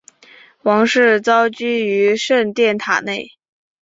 王室遭拘于圣殿塔内。